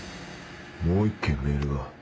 もう一件メールが。